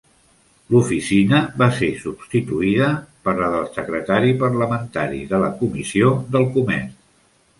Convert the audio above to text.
L'oficina va ser substituïda per la del secretari parlamentari de la Comissió del Comerç.